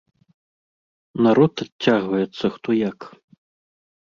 Народ адцягваецца хто як.